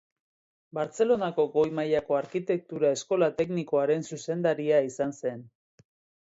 Bartzelonako Goi Mailako Arkitektura Eskola Teknikoaren zuzendaria izan zen.